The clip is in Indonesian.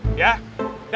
dakwah itu memang ya